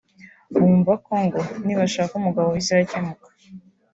bumva ko ngo nibashaka umugabo bazikenura